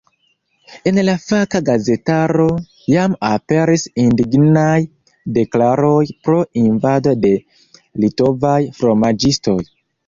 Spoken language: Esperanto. En la faka gazetaro jam aperis indignaj deklaroj pro invado de litovaj fromaĝistoj.